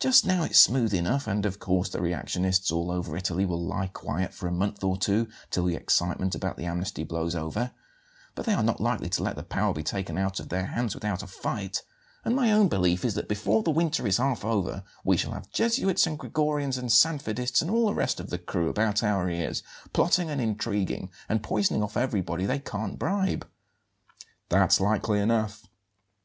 Just now it's smooth enough and, of course, the reactionists all over Italy will lie quiet for a month or two till the excitement about the amnesty blows over; but they are not likely to let the power be taken out of their hands without a fight, and my own belief is that before the winter is half over we shall have Jesuits and Gregorians and Sanfedists and all the rest of the crew about our ears, plotting and intriguing, and poisoning off everybody they can't bribe." "That's likely enough."